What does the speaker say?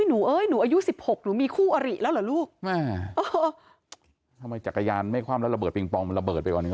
นูเอยนูอายุ๑๖ลูกมีคู่อลิแล้วหรือลูก